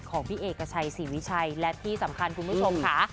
ของพี่เอกชัยศรีวิชัยและที่สำคัญคุณผู้ชมค่ะ